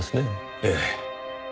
ええ。